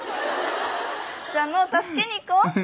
じゃあ「の」を助けにいこう。